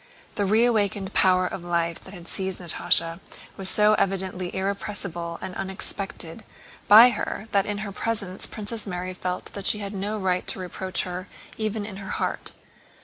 The reawakened power of life that had seized Natásha was so evidently irrepressible and unexpected by her that in her presence Princess Mary felt that she had no right to reproach her even in her heart.